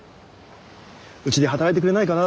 「うちで働いてくれないかな」